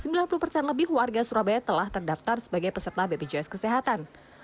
bpjs surabaya telah terdaftar sebagai peserta bpjs kesehatan